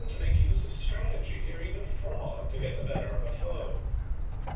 to make use of strategy or even fraud to get the better of a foe.